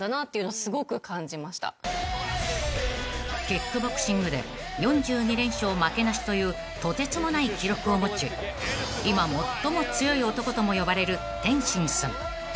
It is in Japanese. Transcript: ［キックボクシングで４２連勝負けなしというとてつもない記録を持ち今最も強い男とも呼ばれる天心さん］